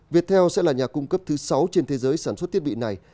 viettel sẽ là nhà cung cấp thứ sáu trên thế giới sản xuất thiết bị này